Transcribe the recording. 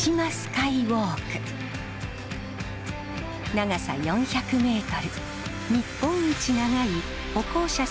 長さ４００ｍ